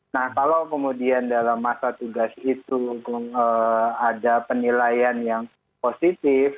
nah kalau kemudian dalam masa tugas itu ada penilaian yang positif